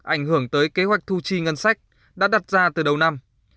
ảnh hưởng tới kế hoạch thu chi ngân sách đã đặt ra từ đầu năm